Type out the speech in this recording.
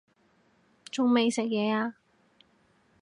仲未食嘢呀